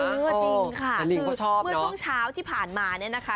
เออจริงค่ะคือเมื่อช่วงเช้าที่ผ่านมาเนี่ยนะคะ